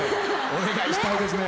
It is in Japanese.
お願いしたいですね。